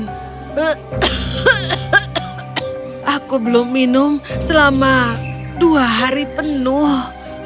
kek kek kek aku belum minum selama dua hari penuh